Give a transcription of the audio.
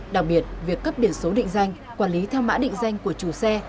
đặc biệt việc cấp biển số định danh quản lý theo mã định danh của chủ xe